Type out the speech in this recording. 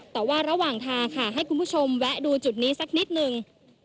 แต่ว่าระหว่างทางค่ะให้คุณผู้ชมแวะดูจุดนี้สักนิดหนึ่ง